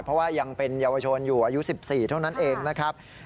เพราะว่ายังเป็นเยาวชนอยู่อายุ๑๔เท่านั้นเองนะครับ